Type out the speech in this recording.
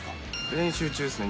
練習中ですね。